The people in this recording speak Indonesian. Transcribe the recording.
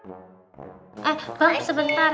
ah bang sebentar